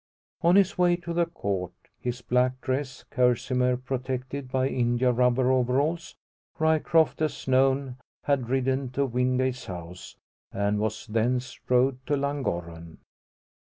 On his way to the Court his black dress kerseymere protected by India rubber overalls Ryecroft, as known, had ridden to Wingate's house, and was thence rowed to Llangorren.